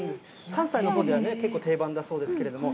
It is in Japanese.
関西のほうでは結構、定番だそうですけれども。